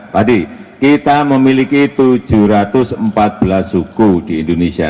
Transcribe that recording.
tadi kita memiliki tujuh ratus empat belas suku di indonesia